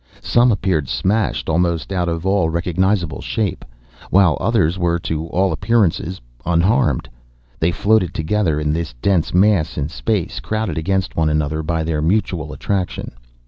Some appeared smashed almost out of all recognizable shape, while others were, to all appearances unharmed. They floated together in this dense mass in space, crowded against one another by their mutual attraction.